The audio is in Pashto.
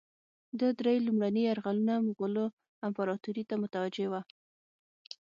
ده درې لومړني یرغلونه مغولو امپراطوري ته متوجه وه.